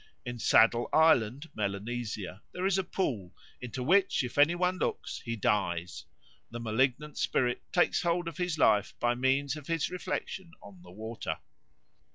In Saddle Island, Melanesia, there is a pool "into which if any one looks he dies; the malignant spirit takes hold upon his life by means of his reflection on the water."